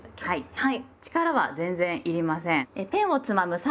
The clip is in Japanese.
はい。